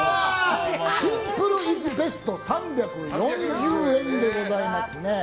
シンプル・イズ・ベスト３４０円でございます。